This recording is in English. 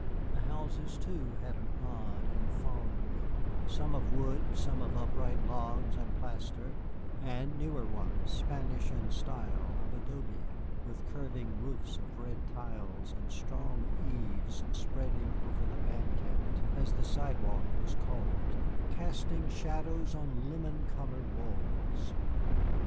The houses, too, had an odd and foreign look, some of wood, some of upright logs and plaster, and newer ones, Spanish in style, of adobe, with curving roofs of red tiles and strong eaves spreading over the banquette (as the sidewalk was called), casting shadows on lemon colored walls.